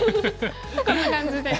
こんな感じで。